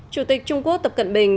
chủ tịch trung quốc tập cận bình